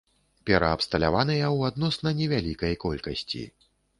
Пераабсталяваныя ў адносна невялікай колькасці.